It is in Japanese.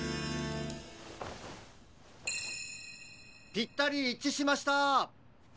ぴったりいっちしました。